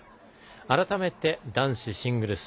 改めて男子シングルス